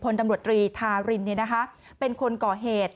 ภนับโรตรีทารินเป็นคนเกาะเหตุ